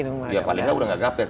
ya paling nggak udah gak gap tech